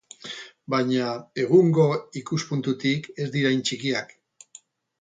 Baina, egungo ikuspuntutik, ez dira hain txikiak.